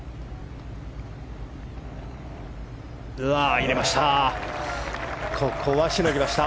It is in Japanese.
入れました。